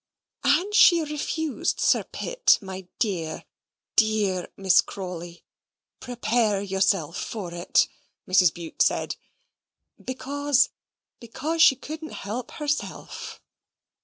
"And she refused Sir Pitt, my dear, dear Miss Crawley, prepare yourself for it," Mrs. Bute said, "because because she couldn't help herself."